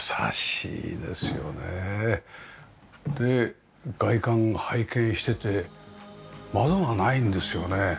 で外観拝見してて窓がないんですよね。